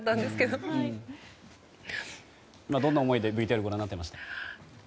どんな思いでＶＴＲをご覧になってましたか。